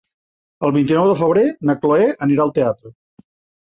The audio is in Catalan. El vint-i-nou de febrer na Cloè anirà al teatre.